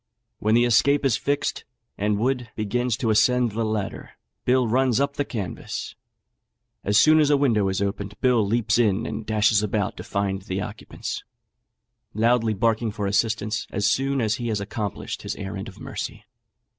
When the escape is fixed, and Wood begins to ascend the ladder, Bill runs up the canvas; as soon as a window is opened, Bill leaps in and dashes about to find the occupants, loudly barking for assistance as soon as he has accomplished his errand of mercy.